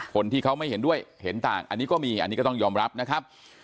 คนที่เขาไม่เห็นด้วยเห็นต่างอันนี้ก็มีอันนี้ก็ต้องยอมรับนะครับ